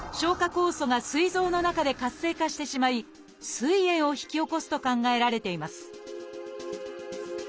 酵素がすい臓の中で活性化してしまいすい炎を引き起こすと考えられています